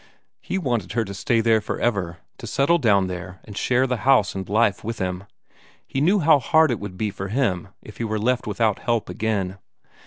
He wanted her to stay there for ever, to settle down there and share the house and life with him; he knew how hard it would be for him if he were left without help again.